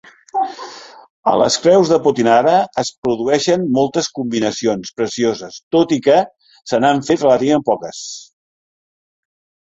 A les creus de Potinara es produeixen moltes combinacions precioses, tot i que se n'han fet relativament poques.